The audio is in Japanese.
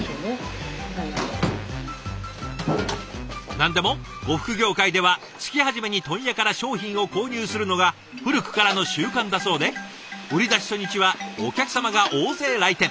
何でも呉服業界では月初めに問屋から商品を購入するのが古くからの習慣だそうで売り出し初日はお客様が大勢来店。